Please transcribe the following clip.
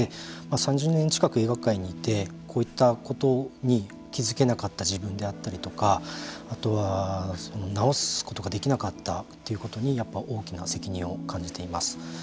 ３０年近く映画界にいてこういったことに気付けなかった自分であったりとかあとは、直すことができなかったということに大きな責任を感じています。